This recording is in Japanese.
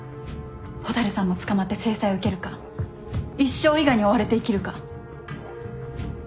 蛍さんも捕まって制裁を受けるか一生伊賀に追われて生きるか。